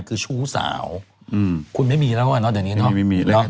คือชู้สาวคุณไม่มีแล้วเนอะ